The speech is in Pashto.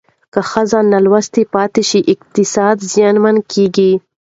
که ښځې نالوستې پاتې شي اقتصاد زیانمن کېږي.